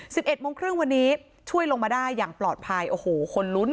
สิบเอ็ดโมงครึ่งวันนี้ช่วยลงมาได้อย่างปลอดภัยโอ้โหคนลุ้น